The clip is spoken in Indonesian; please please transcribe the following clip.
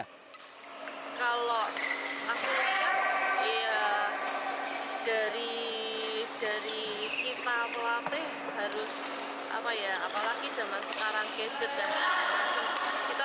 kalau aku lihat ya dari kita pelatih harus apalagi zaman sekarang kece dan semacam